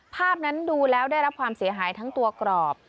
ภาพนั้นดูแล้วได้รับความเสียหายทั้งตัวกรอบ